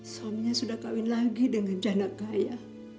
suaminya sudah kawin lagi dengan jana kaya